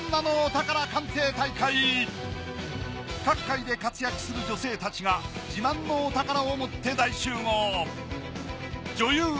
各界で活躍する女性達が自慢のお宝をもって大集合女優